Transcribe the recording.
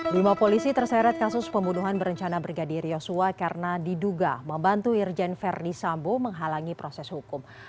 lima polisi terseret kasus pembunuhan berencana brigadir yosua karena diduga membantu irjen verdi sambo menghalangi proses hukum